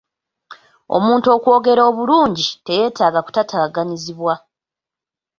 Omuntu okwogera obululngi, teyeetaaga kutaataaganyizibwa.